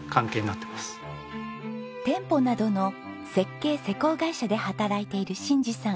店舗などの設計・施工会社で働いている信治さん。